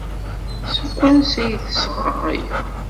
Seg wansi ay d-tesɣa aya?